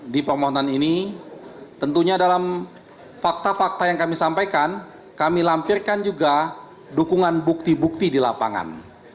di pemohon ini tentunya dalam fakta fakta yang kami sampaikan kami lampirkan juga dukungan bukti bukti di lapangan